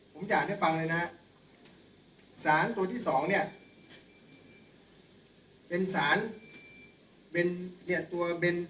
ผมจะอ่านให้ฟังเลยนะฮะสารตัวที่สองเนี้ยเป็นสารเนี่ยตัว